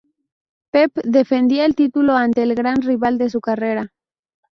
Pep defendía el título ante el gran rival de su carrera.